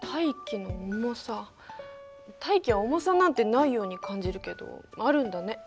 大気は重さなんてないように感じるけどあるんだね。